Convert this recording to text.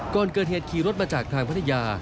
ก่อนเกิดเหตุขี่รถมาจากทางพัทยา